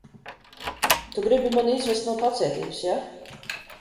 Tu gribi mani izvest no pacietības, ja?